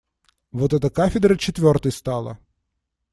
Вот эта кафедра четвертой стала.